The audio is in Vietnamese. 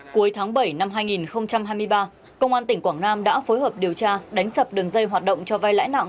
cuối tháng bảy năm hai nghìn hai mươi ba công an tỉnh quảng nam đã phối hợp điều tra đánh sập đường dây hoạt động cho vai lãi nặng